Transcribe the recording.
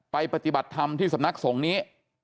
ปฏิบัติธรรมที่สำนักสงฆ์นี้